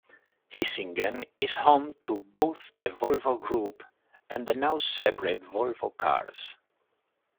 Hisingen is home to both the Volvo Group and the now separate Volvo Cars.